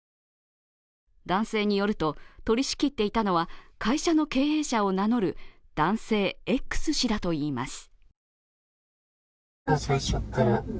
男性によると、取り仕切っていたのは会社の経営者を名乗る男性Ｘ氏だといいます。